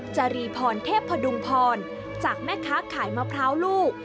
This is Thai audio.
จรีพรเทพพดุงพรจากแม่ค้าขายมะพร้าวลูก